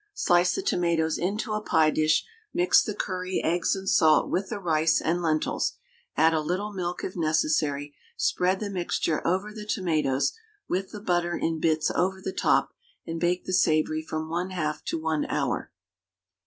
Slice the tomatoes into a pie dish, mix the curry, eggs, and salt with the rice and lentils, add a little milk if necessary; spread the mixture over the tomatoes, with the butter in bits over the top, and bake the savoury from 1/2 to 1 hour.